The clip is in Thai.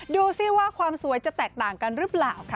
ดูสิว่าความสวยจะแตกต่างกันหรือเปล่าค่ะ